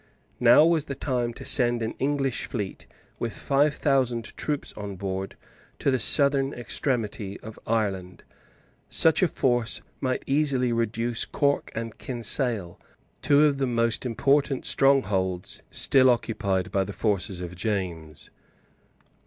Now was the time to send an English fleet, with five thousand troops on board, to the southern extremity of Ireland. Such a force might easily reduce Cork and Kinsale, two of the most important strongholds still occupied by the forces of James.